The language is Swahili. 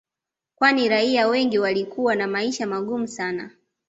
Kwani raia wengi walikuwa na maisha magumu sana